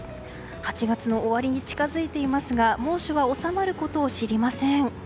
８月の終わりに近づいていますが猛暑は収まることを知りません。